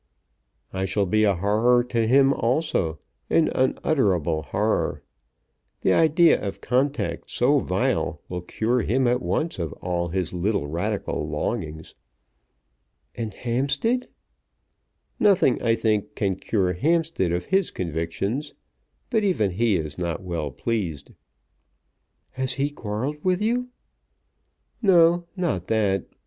"I shall be a horror to him also, an unutterable horror. The idea of contact so vile will cure him at once of all his little Radical longings." "And Hampstead?" "Nothing, I think, can cure Hampstead of his convictions; but even he is not well pleased." "Has he quarrelled with you?" "No, not that.